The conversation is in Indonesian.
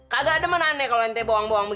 kagak demen aneh kalau ente bohong begitu